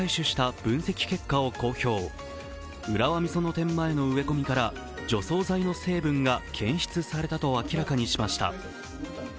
店前の植え込みから除草剤の成分が検出されたと明らかにしました。